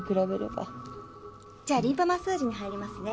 じゃあリンパマッサージに入りますね。